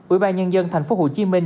ủy ban nhân dân thành phố hồ chí minh